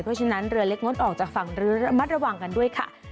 เพราะฉะนั้นเรือเล็กงดออกจากฝั่งระมัดระวังกันด้วยค่ะ